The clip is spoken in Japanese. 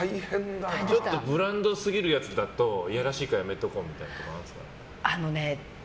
ブランドすぎるやつだといやらしいからやめとこうとかあるんですか。